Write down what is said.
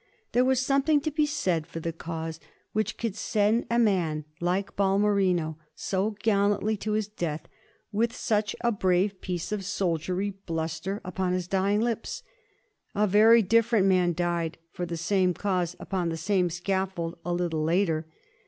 There was something to be said for the cause which could send a man like Balmerino so gallantly to his death with such a brave piece of soldierly bluster upon his dying lips. A very different man died for the same cause upon the same scaffold a little later.